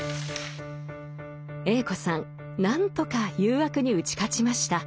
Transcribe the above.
Ａ子さん何とか誘惑に打ち勝ちました。